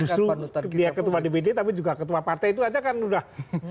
justru dia ketua dpd tapi juga ketua partai itu aja kan udah